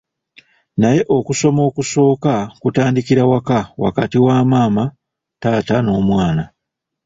Naye okusoma okusooka kutandikira waka wakati wa maama, taata n’omwana.